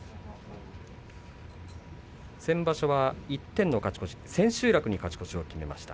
先場所は１点の勝ち越し千秋楽に勝ち越しを決めました。